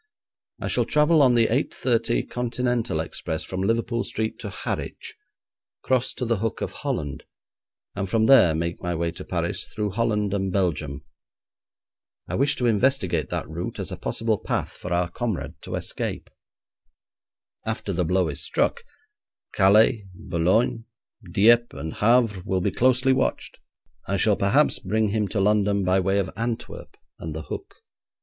I shall travel on the 8.30 Continental express from Liverpool Street to Harwich, cross to the Hook of Holland, and from there make my way to Paris through Holland and Belgium. I wish to investigate that route as a possible path for our comrade to escape. After the blow is struck, Calais, Boulogne, Dieppe, and Havre will be closely watched. I shall perhaps bring him to London by way of Antwerp and the Hook.'